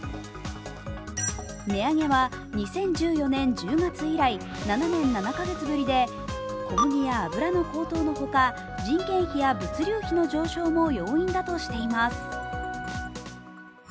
値上げは２０１４年１０月以来、７年７カ月ぶりで小麦や油の高騰のほか人件費や物流費の上昇も要因だとしています。